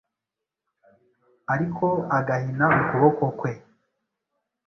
ariko agahina ukuboko kwe